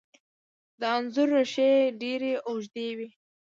د انځر ریښې ډیرې اوږدې وي.